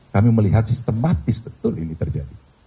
kami melihat sistematis betul ini terjadi